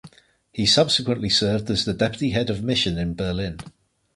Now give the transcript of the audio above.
He subsequently served as the deputy head of mission in Berlin.